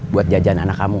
buat jajan anak kamu